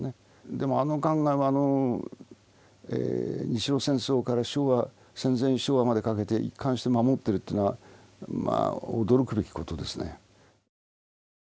でもあの考えは日露戦争から戦前昭和までかけて一貫して守ってるというのはまあ驚くべき事ですね。